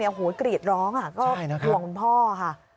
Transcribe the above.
โอ้โหกรีดร้องก็ห่วงคุณพ่อค่ะ